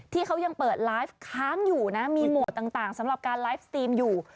ที่เขายังเปิดไลฟ์ค้างอยู่นะมีหมวดต่างสำหรับการไลฟ์สตรีมอยู่